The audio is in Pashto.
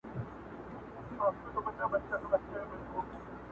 زما یادیږي د همدې اوبو پر غاړه!.